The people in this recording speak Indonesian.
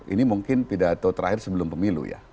ini mungkin pidato terakhir sebelum pemilu ya